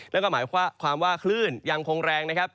นั่นก็หมายความว่าคลื่นยังคงแรงนะครับ